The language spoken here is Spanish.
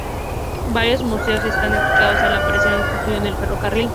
Varios museos están dedicados a los que perecieron construyendo el ferrocarril.